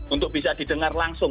untuk bisa didengar langsung